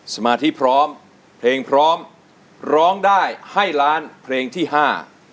สมาธิพร้อมเพลงพร้อมร้องได้ให้ล้านเพลงที่ห้า